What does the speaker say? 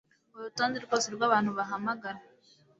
urutonde rwose rwabantu bahamagara.